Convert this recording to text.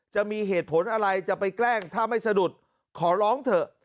จะมีเหตุผลอะไรจะไปแกล้งถ้าไม่สะดุดขอร้องเถอะ